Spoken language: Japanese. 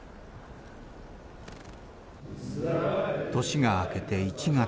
年が明けて１月。